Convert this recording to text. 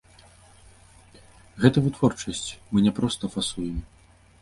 Гэта вытворчасць, мы не проста фасуем.